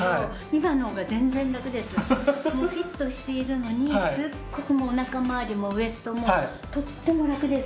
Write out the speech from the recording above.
もうフィットしているのにすっごくお腹回りもウエストもとってもラクです。